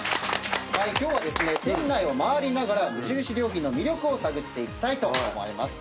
今日は店内を回りながら無印良品の魅力を探っていきたいと思います。